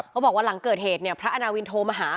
บอกว่าหลังเกิดเหตุเนี่ยพระอาณาวินโทรมาหา